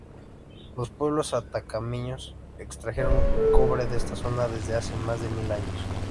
Los pueblos atacameños extrajeron cobre de esta zona desde hace más de mil años.